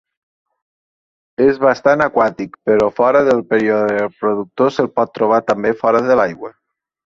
És bastant aquàtic, però fora del període reproductor se'l pot trobar també fora de l'aigua.